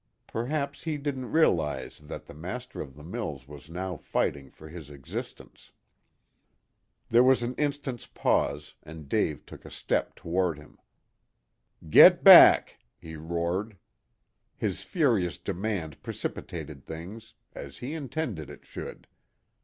Perhaps he didn't realize that the master of the mills was now fighting for his existence. There was an instant's pause, and Dave took a step toward him. "Get back!" he roared. His furious demand precipitated things, as he intended it should.